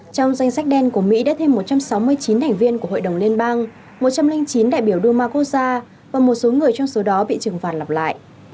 trong danh sách đen của mỹ đã thêm một trăm sáu mươi chín thành viên của hội đồng liên bang một trăm linh chín đại biểu duma quốc gia và một số người trong số đó bị trừng phạt lặp lại